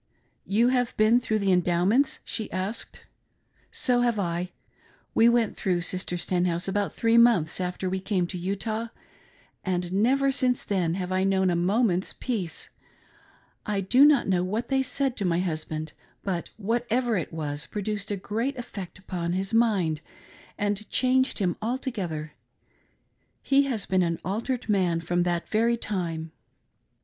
"You have been through the Endowments.'" she as/ked. "So have I. We went through. Sister Stenhouse, about three months after we came to Utah, and never since then have I known a moment's peace. I do not know what they said to my husband, but whatever it was, it produced a great eifect upon his mind, and changed him altogether — he has been an altered man from that very time.